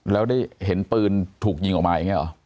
แล้วได้เห็นปืนถูกยิงออกมาอย่างนี้หรอ